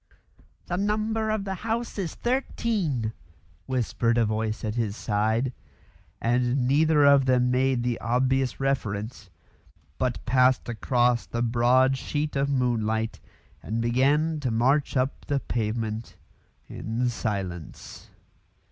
"The number of the house is thirteen," whispered a voice at his side; and neither of them made the obvious reference, but passed across the broad sheet of moonlight and began to march up the pavement in silence.